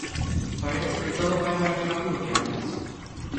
Parece que todo vai mais rápido que antes.